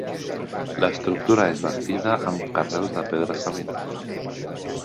L'estructura és bastida amb carreus de pedra Savinosa.